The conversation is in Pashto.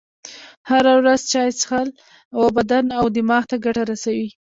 هره ورځ چایی چیښل و بدن او دماغ ته ګټه رسوي.